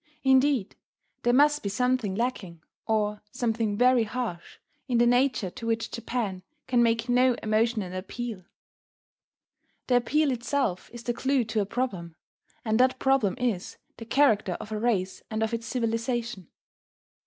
Indeed, there must be something lacking, or something very harsh, in the nature to which Japan can make no emotional appeal. The appeal itself is the clue to a problem; and that problem is the character of a race and of its civilization.